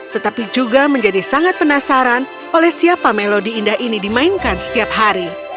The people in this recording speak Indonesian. tetapi juga menjadi sangat penasaran oleh siapa melodi indah ini dimainkan setiap hari